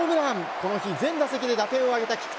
この日、全打席で打点を挙げた菊池。